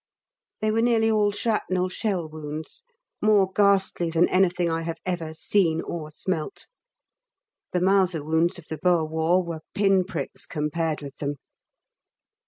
They were nearly all shrapnel shell wounds more ghastly than anything I have ever seen or smelt; the Mauser wounds of the Boer War were pin pricks compared with them.